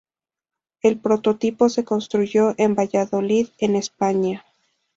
El prototipo se construyó en Valladolid en España.